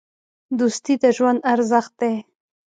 دوستي د ژوند ارزښت دی.